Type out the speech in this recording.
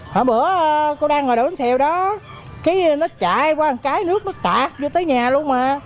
hồi bữa cô đang ngồi đuổi xeo đó cái nó chạy qua một cái nước nó tạc vô tới nhà luôn mà